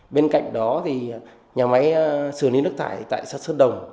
bên cạnh đó thì nhà máy xử lý nước thải tại sát sơn đồng